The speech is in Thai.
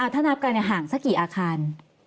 ถ้านับกันห่างสักกี่อาคาร